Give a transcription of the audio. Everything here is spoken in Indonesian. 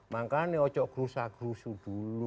makanya ini ocok grusa grusu dulu